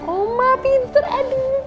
oma pintar aduh